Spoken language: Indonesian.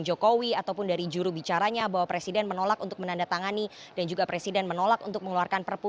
jokowi ataupun dari jurubicaranya bahwa presiden menolak untuk menandatangani dan juga presiden menolak untuk mengeluarkan perpu